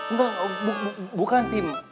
enggak buk bukan pi